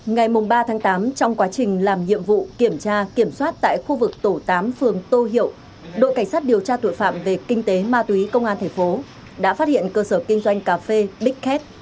ngày ba tám trong quá trình làm nhiệm vụ kiểm tra kiểm soát tại khu vực tổ tám phường tô hiệu đội cảnh sát điều tra tội phạm về kinh tế ma túy công an tp đã phát hiện cơ sở kinh doanh cà phê big cat